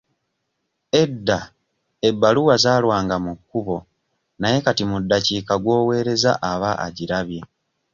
Edda ebbaluwa zaalwanga mu kkubo naye kati mu ddakiika gw'owereza aba agirabye.